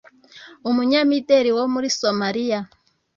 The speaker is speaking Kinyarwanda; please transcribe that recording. umunyamideli wo muri Somalia